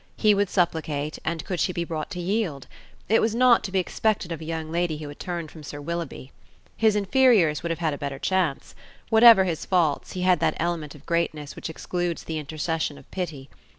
He would supplicate, and could she be brought to yield? It was not to be expected of a young lady who had turned from Sir Willoughby. His inferiors would have had a better chance. Whatever his faults, he had that element of greatness which excludes the intercession of pity.